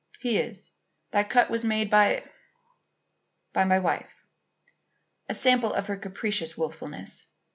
"He is. That cut was made by by my wife; a sample of her capricious willfulness.